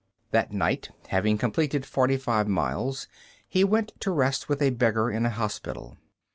That night, having completed forty five miles, he went to rest with a beggar in a hospital.